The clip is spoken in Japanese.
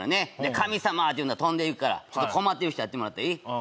「神様」って言うたら飛んでいくから困ってる人やってもらっていい？